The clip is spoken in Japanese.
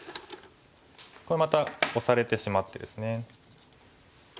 これまたオサれてしまってですね。